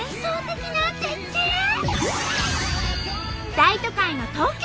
大都会の東京。